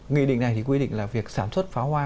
nghị định này thì quy định là việc sản xuất pháo hoa